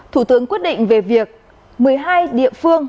thủ tướng quyết định về việc một mươi hai địa phương